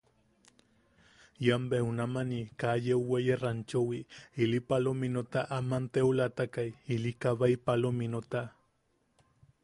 Ian bea junamani kaa yeu weye ranchowi, ili palominota aman teulatakai ili kabaʼi palominota.